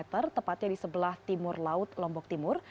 tepatnya di sebelah timur laut lombok timur